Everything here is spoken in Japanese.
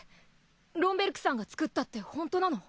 ロン・ベルクさんが作ったってホントなの？